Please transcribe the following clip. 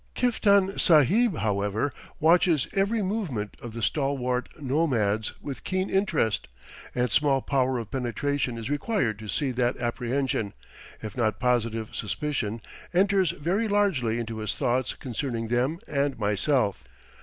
Kiftan Sahib, however, watches every movement of the stalwart nomads with keen interest; and small power of penetration is required to see that apprehension, if not positive suspicion, enters very largely into his thoughts concerning them and myself.